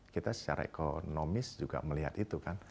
kita secara ekonomis juga melihat itu kan